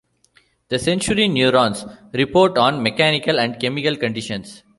The sensory neurons report on mechanical and chemical conditions.